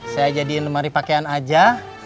saya jadiin demari pakaian aja